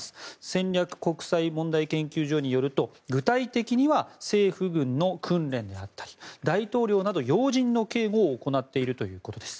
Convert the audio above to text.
戦略国際問題研究所によると具体的には政府軍の訓練であったり大統領など要人の警護を行っているということです。